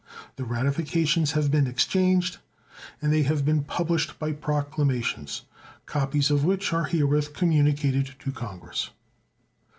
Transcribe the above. The ratifications have been exchanged, and they have been published by proclamations, copies of which are herewith communicated to Congress.